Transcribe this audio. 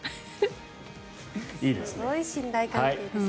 すごい信頼関係ですね。